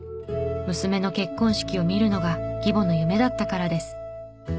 娘の結婚式を見るのが義母の夢だったからです。